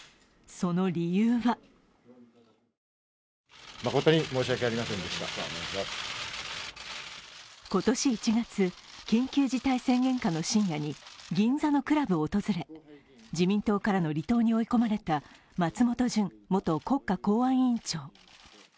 その理由は今年１月、緊急事態宣言下の深夜に銀座のクラブを訪れ、自民党からの離党に追い込まれた松本純元国家公安委員長。